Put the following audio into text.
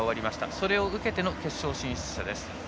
それを受けての決勝進出者です。